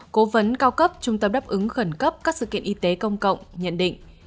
cố vấn cao cấp trung tâm đáp ứng khẩn cấp các sự kiện y tế công cộng nhận định